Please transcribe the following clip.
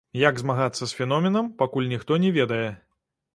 Як змагацца з феноменам, пакуль ніхто не ведае.